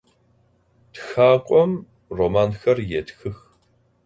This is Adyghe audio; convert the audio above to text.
Txak'om romanxer yêtxıx.